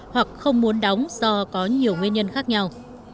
hoặc không muốn đóng do có nhiều nguyên nhân khác nhau